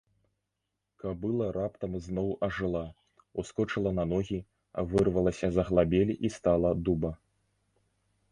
Кабыла раптам зноў ажыла, ускочыла на ногі, вырвалася з аглабель і стала дуба.